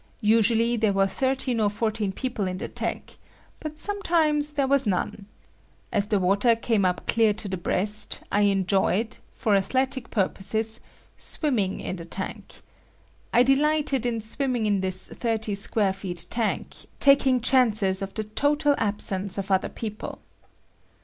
Usually there were thirteen or fourteen people in the tank, but sometimes there was none. As the water came up clear to the breast, I enjoyed, for athletic purposes, swimming in the tank. I delighted in swimming in this 30 square feet tank, taking chances of the total absence of other people.